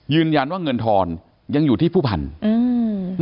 ยืนยันว่าเงินทอนยังอยู่ที่ผู้พันธุ์อืม